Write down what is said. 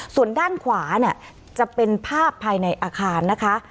ส่วนด้านขวาเนี่ยจะเป็นภาพภายในอาคารนะคะ